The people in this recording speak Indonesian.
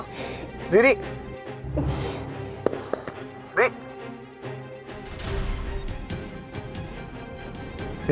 hai riri riri